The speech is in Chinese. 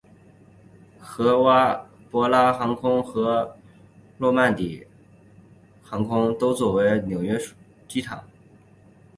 合瓦博拉航空和温比殿华航空都作比为枢纽机场。